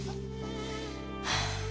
はあ。